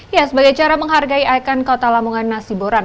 ya sebagai cara menghargai ikon kota lamongan nasi boran